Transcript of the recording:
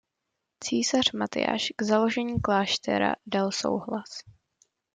Císař Matyáš k založení kláštera dal souhlas.